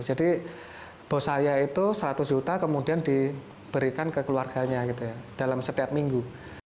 jadi bos saya itu seratus juta kemudian diberikan ke keluarganya dalam setiap minggu